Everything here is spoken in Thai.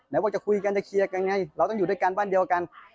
แล้วว่าจะคุยกันจะเคลียร์กันไงเราต้องอยู่ด้วยกันบ้านเดียวกัน